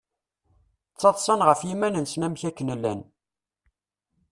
Ttaḍsan ɣef yiman-nsen amek akken llan.